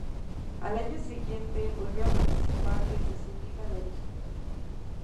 Al año siguiente volvió a participar desde sus liga de origen.